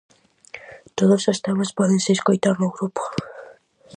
Todos os temas pódense escoitar no grupo.